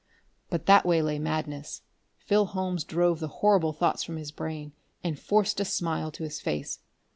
But that way lay madness. Phil Holmes drove the horrible thoughts from his brain and forced a smile to his face.